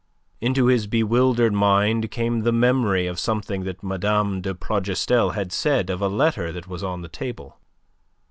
Into his bewildered mind came the memory of something that Mme. de Plougastel had said of a letter that was on the table.